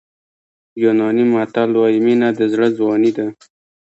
یوناني متل وایي مینه د زړه ځواني ده.